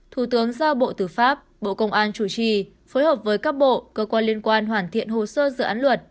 thủ tướng giao bộ tử pháp bộ công an chủ trì phối hợp với các bộ cơ quan liên quan hoàn thiện hồ sơ dự án luật